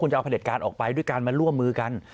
จะเอาผลิตการออกไปด้วยการมาร่วมมือกัน